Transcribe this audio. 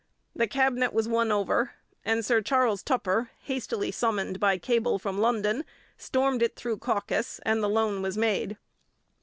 The Cabinet was won over, and Sir Charles Tupper, hastily summoned by cable from London, stormed it through caucus, and the loan was made.